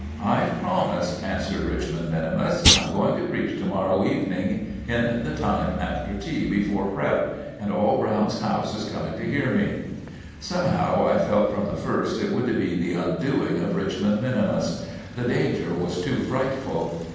"I've promised," answered Richmond minimus. "I'm going to preach to morrow evening in the time after tea before prep.; and all Browne's house is coming to hear me." Somehow I felt from the first it would be the undoing of Richmond minimus. The danger was too frightful.